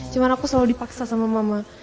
cuma aku selalu dipaksa sama mama